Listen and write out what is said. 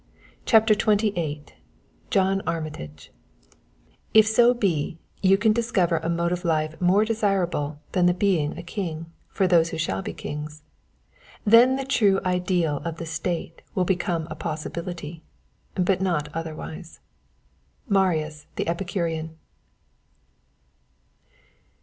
CHAPTER XXVIII JOHN ARMITAGE If so be, you can discover a mode of life more desirable than the being a king, for those who shall be kings; then the true Ideal of the State will become a possibility; but not otherwise. Marius the Epicurean.